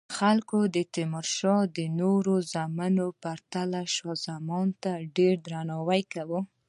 خلکو د تیمورشاه د نورو زامنو په پرتله شاه زمان ته ډیر درناوی کاوه.